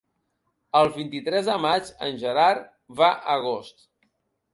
El vint-i-tres de maig en Gerard va a Agost.